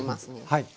はい。